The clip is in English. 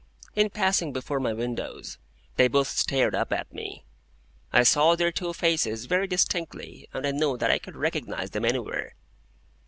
In passing before my windows, they both stared up at me. I saw their two faces very distinctly, and I knew that I could recognise them anywhere.